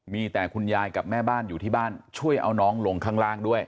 มีแต่คุณยายกับแม่บ้านอยู่ที่บ้านช่วยเอาน้องลงข้างล่างด้วย